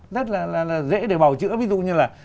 rất là dễ để bảo chữa ví dụ như là